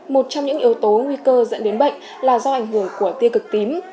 một trong những yếu tố nguy cơ dẫn đến bệnh là do ảnh hưởng của tiêu cực tím